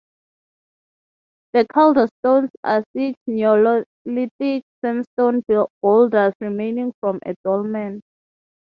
The Calderstones are six neolithic sandstone boulders remaining from a dolmen.